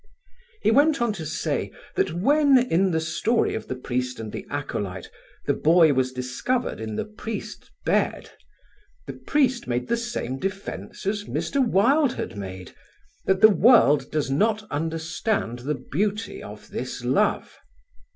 He went on to say that when, in the story of "The Priest and the Acolyte," the boy was discovered in the priest's bed, the priest made the same defence as Mr. Wilde had made, that the world does not understand the beauty of this love.